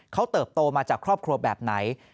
เขาเติบโตมาจากครอบครัวแบบไหน